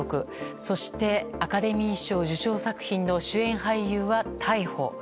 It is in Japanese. そしてアカデミー賞受賞作品の主演俳優は逮捕。